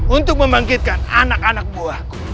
untuk membangkitkan anak anak buah